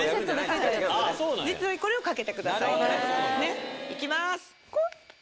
はい実際にこれをかけてくださいいきます